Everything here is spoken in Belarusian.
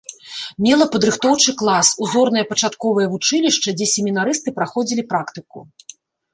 Мела падрыхтоўчы клас, узорнае пачатковае вучылішча, дзе семінарысты прыходзілі практыку.